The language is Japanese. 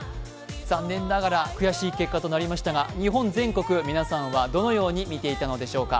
残念ながら悔しい結果となりましたが、日本全国、皆さんはどのように見ていたのでしょうか。